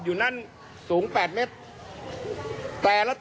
ว้าว